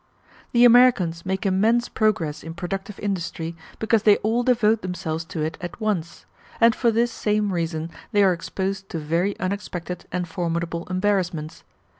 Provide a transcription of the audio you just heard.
The Americans make immense progress in productive industry, because they all devote themselves to it at once; and for this same reason they are exposed to very unexpected and formidable embarrassments.